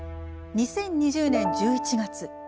２０２０年１１月。